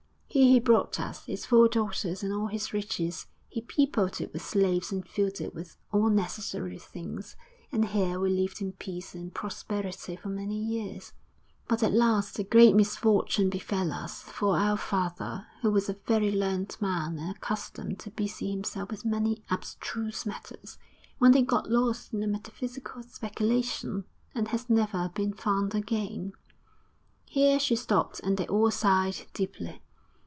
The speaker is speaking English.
Here he brought us, his four daughters and all his riches; he peopled it with slaves and filled it with all necessary things, and here we lived in peace and prosperity for many years; but at last a great misfortune befell us, for our father, who was a very learned man and accustomed to busy himself with many abstruse matters, one day got lost in a metaphysical speculation and has never been found again.' Here she stopped, and they all sighed deeply.